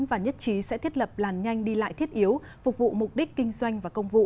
và nhất trí sẽ thiết lập làn nhanh đi lại thiết yếu phục vụ mục đích kinh doanh và công vụ